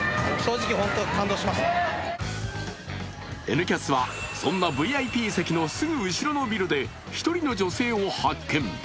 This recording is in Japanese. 「Ｎキャス」はそんなＶＩＰ席のすぐ後ろのビルで１人の女性を発見。